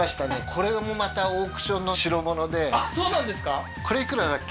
これもまたオークションの代物でそうなんですかこれいくらだっけ？